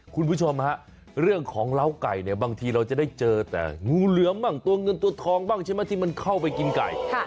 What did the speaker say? คุณผู้ชมฮะเรื่องของเล้าไก่เนี่ยบางทีเราจะได้เจอแต่งูเหลือมบ้างตัวเงินตัวทองบ้างใช่ไหมที่มันเข้าไปกินไก่